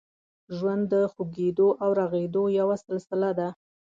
ژوند د خوږېدو او رغېدو یوه سلسله ده.